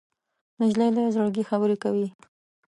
نجلۍ له زړګي خبرې کوي.